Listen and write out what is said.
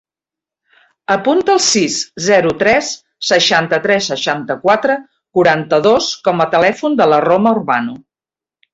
Apunta el sis, zero, tres, seixanta-tres, seixanta-quatre, quaranta-dos com a telèfon de la Roma Urbano.